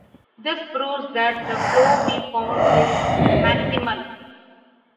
This proves that the flow we found is maximal.